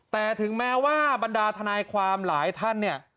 แต่ถึงแม้ว่าบรรดาทนายความหลายท่านเนี่ย